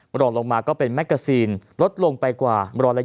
รองลงมาก็เป็นแมกกาซีนลดลงไปกว่า๑๒๐